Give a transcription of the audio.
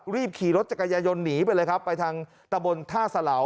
รีบขี่รถจักรยายนหนีไปเลยครับไปทางตะบนท่าสะเหลา